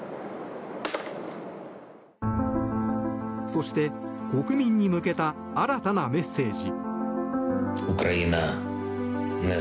そして、国民に向けた新たなメッセージ。